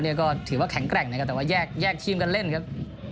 ก็ถือว่าแข็งแกร่งนะครับแต่ว่าแยกทีมกันเล่นครับ